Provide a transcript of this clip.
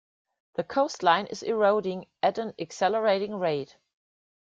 The coastline is eroding at an accelerating rate.